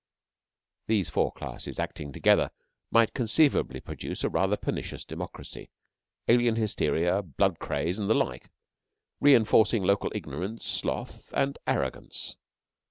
These four classes acting together might conceivably produce a rather pernicious democracy; alien hysteria, blood craze, and the like, reinforcing local ignorance, sloth, and arrogance.